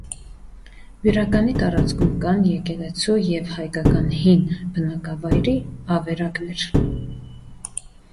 Բյուրակնի տարածքում կան եկեղեցու և հայկական հին բնակավայրի ավերակներ։